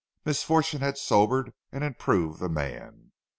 Misfortune had sobered and improved the man.